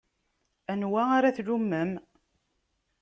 Anwa ara tlummem?